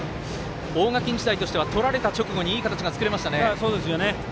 大垣日大としては取られた直後いい形が作れましたね。